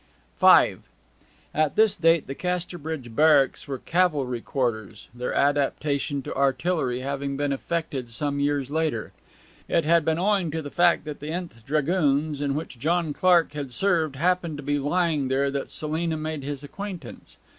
V At this date the Casterbridge Barracks were cavalry quarters, their adaptation to artillery having been effected some years later. It had been owing to the fact that the th Dragoons, in which John Clark had served, happened to be lying there that Selina made his acquaintance.